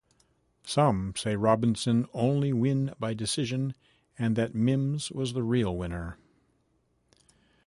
Some say Robinson only win by decision and that Mim's was the real winner.